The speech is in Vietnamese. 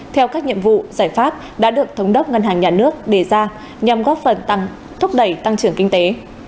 theo các nhiệm vụ giải pháp đã được thống đốc ngân hàng nhà nước đề ra nhằm góp phần thúc đẩy tăng trưởng kinh tế